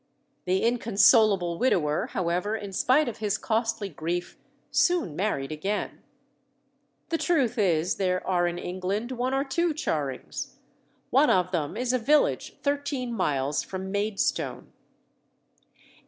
The inconsolable widower, however, in spite of his costly grief, soon married again. The truth is, there are in England one or two Charings; one of them is a village thirteen miles from Maidstone.